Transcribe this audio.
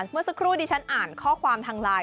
เมื่อสักครู่ดิฉันอ่านข้อความทางไลน์